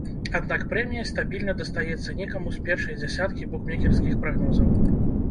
Аднак прэмія стабільна дастаецца некаму з першай дзясяткі букмекерскіх прагнозаў.